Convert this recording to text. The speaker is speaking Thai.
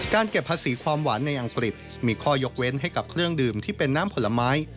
เก็บภาษีความหวานในอังกฤษมีข้อยกเว้นให้กับเครื่องดื่มที่เป็นน้ำผลไม้